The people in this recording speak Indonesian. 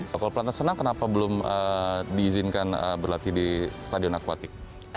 kalau pelatnas renang kenapa belum diizinkan berlatih di stadion akuatik